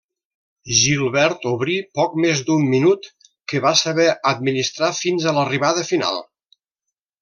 Gilbert obrí poc més d'un minut que va saber administrar fins a l'arribada final.